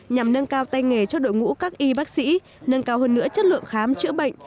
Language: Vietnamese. nhằm nâng cao tay nghề cho đội ngũ các y bác sĩ nâng cao hơn nữa chất lượng khám chữa bệnh